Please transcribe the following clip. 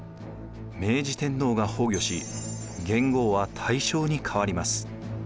明治天皇が崩御し元号は大正に変わります。